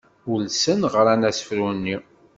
Ulsen ɣran asefru-nni.